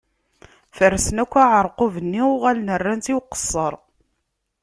Fersen akk aɛerqub-nni, uɣalen rran-tt i uqeṣṣer.